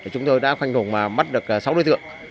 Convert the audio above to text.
chúng tôi đã khoanh vùng và bắt được sáu đối tượng